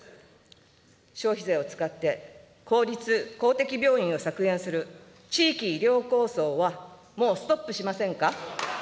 消費税を使って公立・公的病院を削減する、地域医療構想はもうストップしませんか。